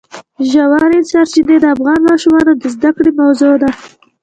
ژورې سرچینې د افغان ماشومانو د زده کړې موضوع ده.